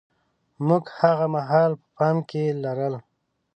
موږ هاغه مهال په پام کې لرل.